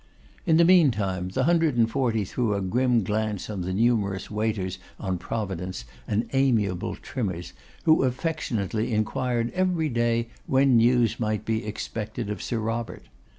In the meantime, the hundred and forty threw a grim glance on the numerous waiters on Providence, and amiable trimmers, who affectionately enquired every day when news might be expected of Sir Robert.